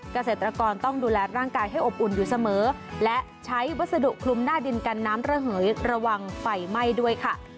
เกษตรกรต้องดูแลร่างกายให้อบอุ่นอยู่เสมอและใช้วัสดุคลุมหน้าดินกันน้ำระเหยระวังไฟไหม้ด้วยค่ะ